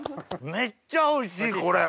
めっちゃおいしいこれ！